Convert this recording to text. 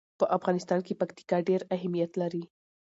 په افغانستان کې پکتیکا ډېر اهمیت لري.